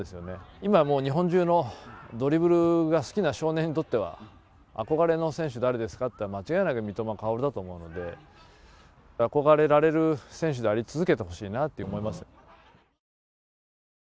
今、もう日本中のドリブルが好きな少年にとっては、憧れの選手、誰ですかって言ったら、間違いなく三笘薫だと思うので、憧れられる選手であり続けてほしいなって思いますね。